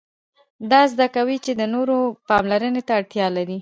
دا زده کوي چې د نورو پاملرنې ته اړتیا لري.